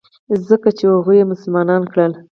ځکه چې هغوى يې مسلمانان کړل.